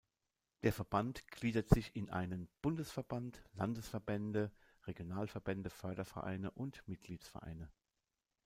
Der Verband gliedert sich in einen Bundesverband, Landesverbände, Regionalverbände, Fördervereine und Mitgliedsvereine.